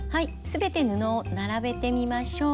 全て布を並べてみましょう。